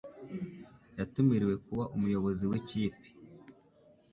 Yatumiriwe kuba umuyobozi wikipe.